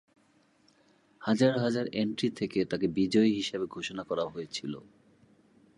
হাজার হাজার এন্ট্রি থেকে তাকে বিজয়ী হিসাবে ঘোষণা করা হয়েছিল।